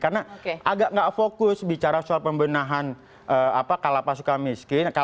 karena agak nggak fokus bicara soal pembenahan kalapas suka miskin